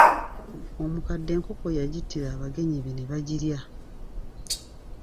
Omukadde enkoko yagittira abagenyi be ne bagirya.